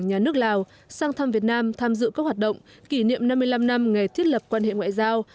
nhà nước lào sang thăm việt nam tham dự các hoạt động kỷ niệm năm mươi năm năm ngày thiết lập quan hệ ngoại giao